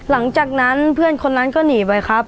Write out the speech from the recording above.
หลังจากนั้นเพื่อนคนนั้นก็หนีไปครับ